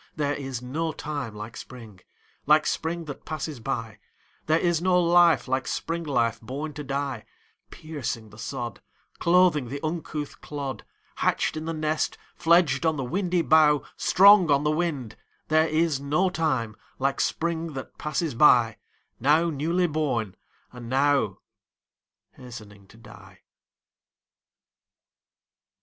There is no time like Spring, Like Spring that passes by; There is no life like Spring life born to die, Piercing the sod, Clothing the uncouth clod, Hatched in the nest, Fledged on the windy bough, Strong on the wing: There is no time like Spring that passes by, Now newly born, and now Hastening to die.